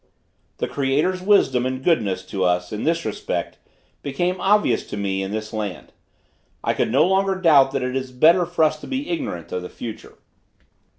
The Creator's wisdom and goodness to us in this respect became obvious to me in this land. I could no longer doubt that it is better for us to be ignorant of the future.